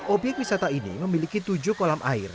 obyek wisata ini memiliki tujuh kolam air